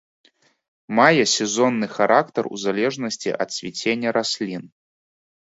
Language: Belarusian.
Мае сезонны характар у залежнасці ад цвіцення раслін.